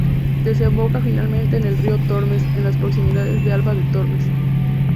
Desemboca finalmente en el río Tormes en las proximidades de Alba de Tormes.